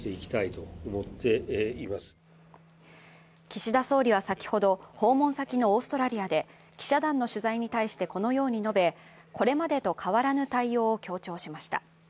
岸田総理は先ほど、訪問先のオーストラリアで、記者団の取材に対してこのように述べ、これまでと変わらぬ対応を強調しました。